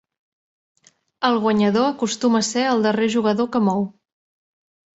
El guanyador acostuma a ser el darrer jugador que mou.